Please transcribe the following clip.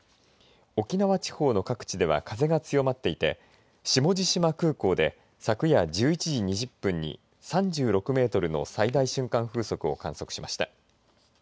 沖縄地方の各地では風が強まっていて下地島空港で昨夜１１時２０分に３６メートルの最大瞬間風速を観測しました。